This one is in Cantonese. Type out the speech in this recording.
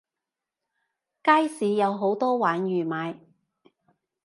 街市有好多鯇魚賣